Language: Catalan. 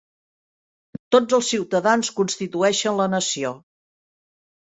Tots els ciutadans constitueixen la nació.